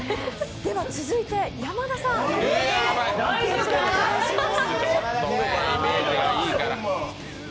では、続いて山田さん、よろしくお願いします。